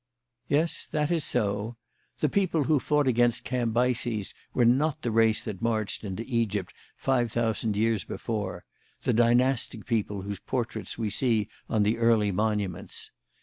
"Yes, that is so. The people who fought against Cambyses were not the race that marched into Egypt five thousand years before the dynastic people whose portraits we see on the early monuments.